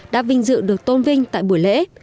đã vinh dự được tôn vinh tại buổi lễ